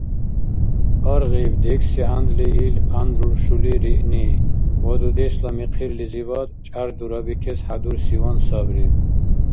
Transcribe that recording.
Аргъиб декӀси гӀяндли ил гӀяндруршули риъни, ва дудешла михъирлизибад чӀяр дурабикес хӀядурсиван сабри.